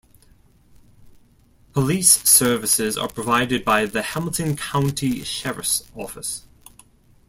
Police services are provided by the Hamilton County Sheriff's Office.